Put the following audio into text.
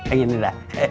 ini nih lah